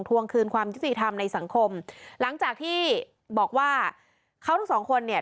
วงคืนความยุติธรรมในสังคมหลังจากที่บอกว่าเขาทั้งสองคนเนี่ย